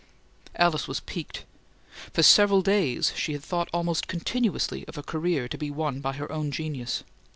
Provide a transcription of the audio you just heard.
Alice was piqued. For several days she had thought almost continuously of a career to be won by her own genius.